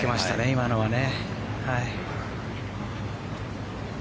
今のはね。